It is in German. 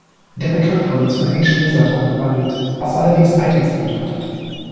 Der Begriff wurde zum englischen „Lizard“ umgewandelt, was allerdings „Eidechse“ bedeutet.